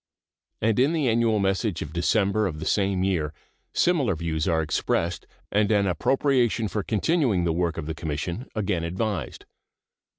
And in the annual message of December of the same year similar views are expressed and an appropriation for continuing the work of the Commission again advised.